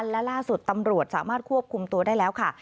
และล่าสุดตำรวจสามารถควบคุมตัวได้แล้วค่ะ